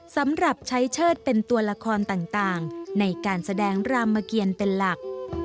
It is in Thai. สำหรับใช้เชิดเป็นตัวละครต่างในการแสดงรามเกียรเป็นหลัก